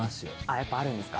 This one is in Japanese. やっぱあるんですか。